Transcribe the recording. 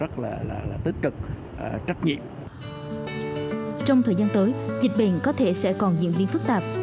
trong thời gian tới dịch bệnh có thể sẽ còn diễn biến phức tạp